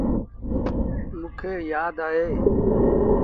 موݩ کي يآدا اهيݩ۔